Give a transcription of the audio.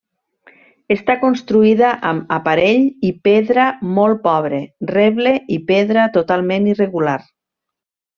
Està construïda amb aparell i pedra molt pobre, reble i pedra totalment irregular.